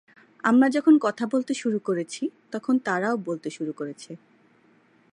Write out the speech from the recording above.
আমরা যখন কথা বলতে শুরু করেছি, তখন তারাও বলতে শুরু করেছে।